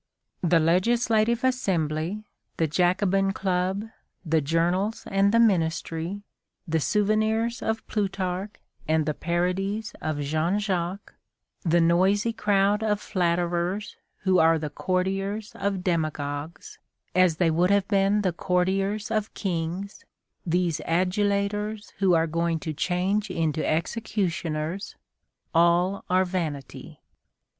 The Legislative Assembly, the Jacobin Club, the journals and the ministry, the souvenirs of Plutarch and the parodies of Jean Jacques, the noisy crowd of flatterers who are the courtiers of demagogues as they would have been the courtiers of kings, these adulators who are going to change into executioners, all are vanity!